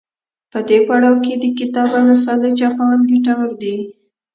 په دې پړاو کې د کتاب او رسالې چاپول ګټور دي.